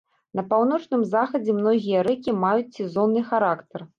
На паўночным захадзе многія рэкі маюць сезонны характар.